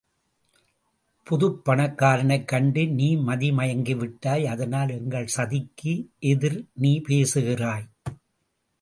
புது பணக்காரனைக் கண்டு நீ மதிமயங்கி விட்டாய் அதனால் எங்கள் சதிக்கு எதிர் நீ பேசுகிறாய்.